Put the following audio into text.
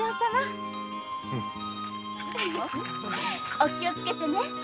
お気をつけてね。